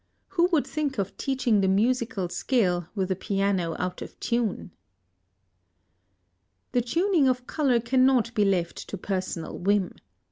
Who would think of teaching the musical scale with a piano out of tune? _The Tuning of Color cannot be left to Personal Whim.